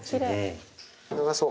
長そう。